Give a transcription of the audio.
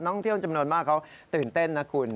ท่องเที่ยวจำนวนมากเขาตื่นเต้นนะคุณ